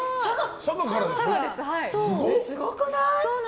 すごくない？